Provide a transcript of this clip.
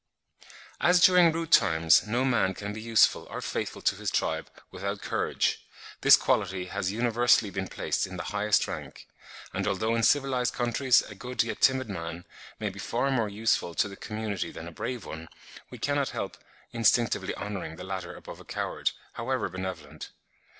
As during rude times no man can be useful or faithful to his tribe without courage, this quality has universally been placed in the highest rank; and although in civilised countries a good yet timid man may be far more useful to the community than a brave one, we cannot help instinctively honouring the latter above a coward, however benevolent.